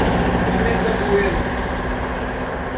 Pimenta Bueno